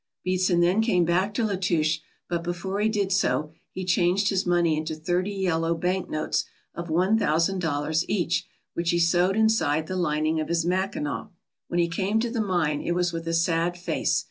Beatson then came back to Latouche, but before he did so, he changed his money into thirty yellow bank notes of one thousand dollars each, which he sewed inside the lining of his mackinaw. When he came to the mine it was with a sad face.